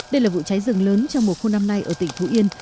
đây là vụ cháy rừng lớn trong một khu năm nay ở tỉnh phú yên